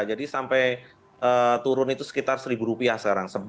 jadi sampai turun itu sekitar rp satu sekarang